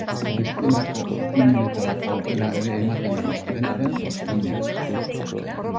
Bestelako ekimenetarako aukera ere ematen du, dena den, guneak.